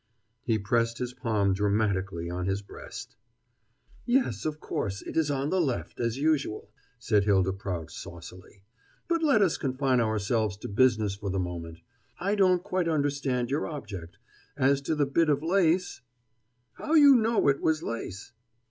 He pressed his palm dramatically on his breast. "Yes, of course, it is on the left, as usual," said Hylda Prout saucily. "But let us confine ourselves to business for the moment. I don't quite understand your object. As to the bit of lace " "How you know it was lace?"